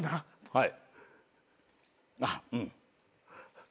はい。